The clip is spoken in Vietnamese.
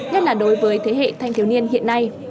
nhất là đối với thế hệ thanh thiếu niên hiện nay